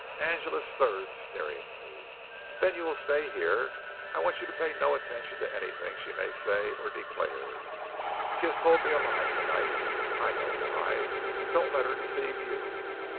Angela stirred sneeringly. "Then you will stay here. I want you to pay no attention to anything she may say or declare. She has told me a lie tonight. I know why. Don't let her deceive you.